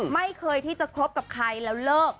ไม่เคยที่จะคบกับใครแล้วเลิก